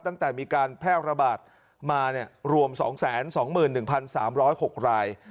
ตั้งแต่มีการแพร่ระบาดมาเนี่ยรวมสองแสนสองหมื่นหนึ่งพันสามร้อยหกราย